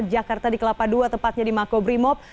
jakarta di kelapa dua tepatnya di makobrimob